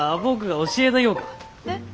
えっ。